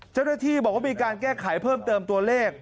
เจ้าหน้าที่บอกว่ามีการแก้ไขเพิ่มเติมตัวเลข